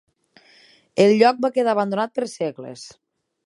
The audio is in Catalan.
El lloc va quedar abandonat per segles.